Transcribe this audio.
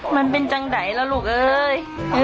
มันเป็นจังไหนล่ะลูกเอ้ย